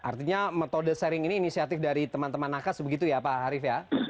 artinya metode sharing ini inisiatif dari teman teman nakas begitu ya pak harif ya